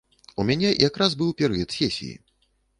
У мяне якраз быў перыяд сесіі.